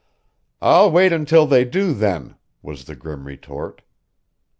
"I'll wait until they do, then," was the grim retort.